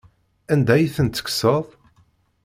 Anda ay ten-tekkseḍ?